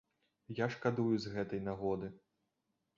Я шкадую з гэтай нагоды.